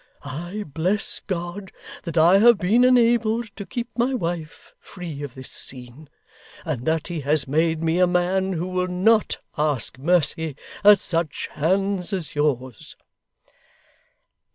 I bless God that I have been enabled to keep my wife free of this scene; and that He has made me a man who will not ask mercy at such hands as yours.